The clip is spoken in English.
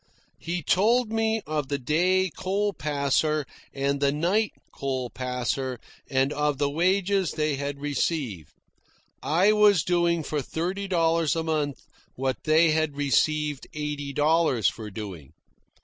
He told me of the day coal passer and the night coal passer, and of the wages they had received. I was doing for thirty dollars a month what they had received eighty dollars for doing.